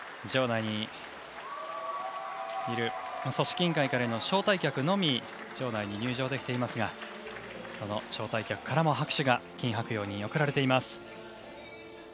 場内にいる組織委員会からの招待客のみ場内に入場できていますがその招待客から拍手がキン・ハクヨウに送られています。